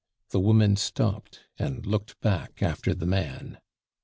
The woman stopped, and looked back after the man.